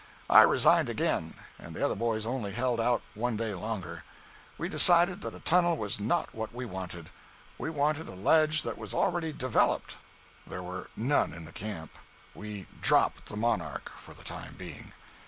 I resigned again, and the other boys only held out one day longer. We decided that a tunnel was not what we wanted. We wanted a ledge that was already "developed." There were none in the camp. We dropped the "Monarch" for the time being.